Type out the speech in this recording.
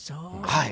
はい。